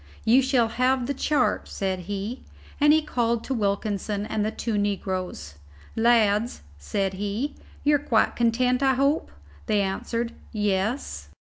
"You shall have the chart," said he, and then called to Wilkinson and the two negroes. "Lads," said he, "you're quite content, I hope?" They answered "Yes."